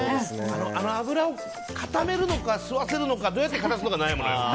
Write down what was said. あの油を固めるのか吸わせるのかどうやって片すのか悩むのよ。